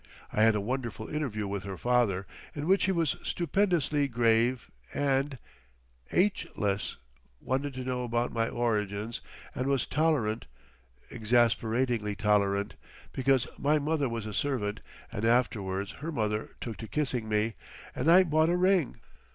I had a wonderful interview with her father, in which he was stupendously grave and h—less, wanted to know about my origins and was tolerant (exasperatingly tolerant) because my mother was a servant, and afterwards her mother took to kissing me, and I bought a ring.